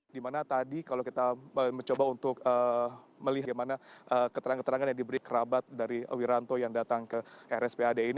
dimana tadi kalau kita mencoba untuk melihat bagaimana keterangan keterangan yang diberi kerabat dari wiranto yang datang ke rspad ini